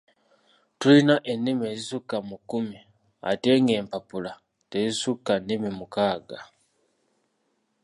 Tulina ennimi ezisukka mu kkumi ate ng'empapula tezisukka nnimi mukaaga.